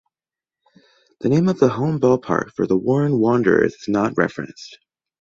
The name of the home ballpark for the Warren Wanderers is not referenced.